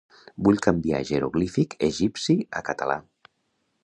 Vull canviar jeroglífic egipci a català.